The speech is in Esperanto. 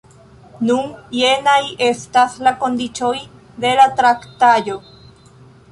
Nun, jenaj estas la kondiĉoj de la traktaĵo.